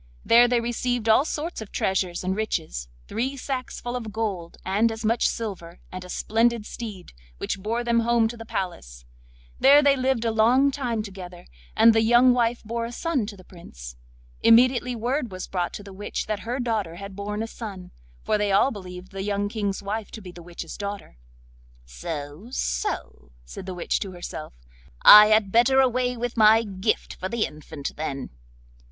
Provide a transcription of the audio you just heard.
There they received all sorts of treasures and riches, three sacks full of gold, and as much silver, and a splendid steed, which bore them home to the palace. There they lived a long time together, and the young wife bore a son to the Prince. Immediately word was brought to the witch that her daughter had borne a son—for they all believed the young King's wife to be the witch's daughter. 'So, so,' said the witch to herself; 'I had better away with my gift for the infant, then.